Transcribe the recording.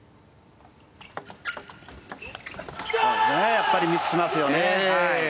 やっぱりミスしますよね。